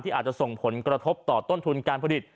อาจจะส่งผลกระทบต่อต้นทุนการผลิต